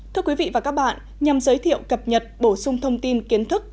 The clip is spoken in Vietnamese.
thưa quý vị và các bạn nhằm giới thiệu cập nhật bổ sung thông tin kiến thức